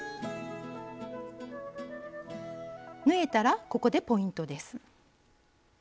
縫えたらここでポイントです。